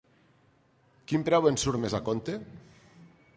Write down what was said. Quin preu ens surt més a compte?